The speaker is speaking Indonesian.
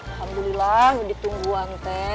alhamdulillah udah ditunggu hantar